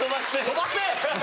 飛ばせ。